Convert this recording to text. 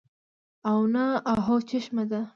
او نه اۤهو چشمه ده